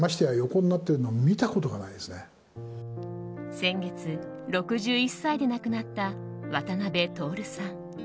先月、６１歳で亡くなった渡辺徹さん。